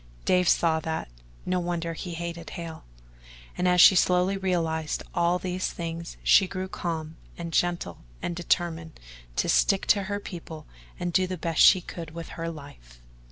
Dave saw that no wonder he hated Hale. And as she slowly realized all these things, she grew calm and gentle and determined to stick to her people and do the best she could with her life.